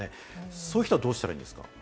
そういう人はどうしたらいいですか？